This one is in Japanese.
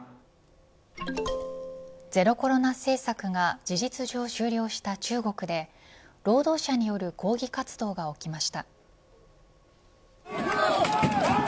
ゼロコロナ政策が事実上終了した中国で労働者による抗議活動が起きました。